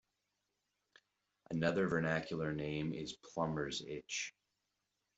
Another vernacular name is plumber's itch.